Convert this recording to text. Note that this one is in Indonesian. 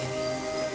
sampai jumpa lagi